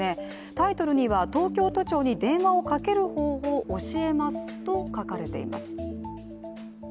タイトルには、「東京都庁に電話をかける方法を教えます」と書かれています。